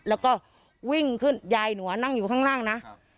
แล้วก็วิ่งขึ้นยายหนัวนั่งอยู่ข้างล่างนะ